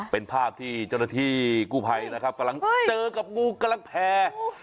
เป็นภาพที่เจ้าหน้าที่กู้ภัยนะครับกำลังเจอกับงูกำลังแพร่